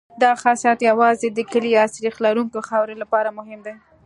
دا خاصیت یوازې د کلې یا سریښ لرونکې خاورې لپاره مهم دی